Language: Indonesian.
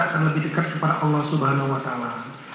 akan lebih dekat kepada allah subhanahu wa ta'ala